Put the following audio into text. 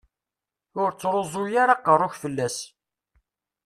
Ur ttruẓu ara aqerru-k fell-as.